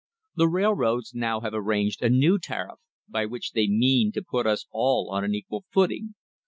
The railroads now have arranged a new tariff, by which they mean to put us all on an equal footing.